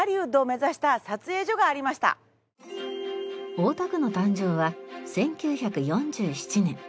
大田区の誕生は１９４７年。